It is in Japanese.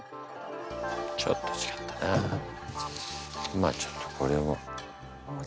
まあちょっとこれを。